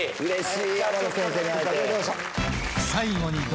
うれしい。